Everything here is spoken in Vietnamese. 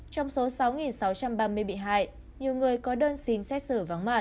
trong số sáu sáu trăm ba mươi bị hại nhiều người có đơn xin xét xử vắng mặt